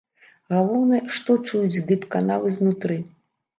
Галоўнае, што чуюць дыпканалы знутры.